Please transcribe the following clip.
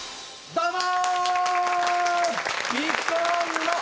どうも！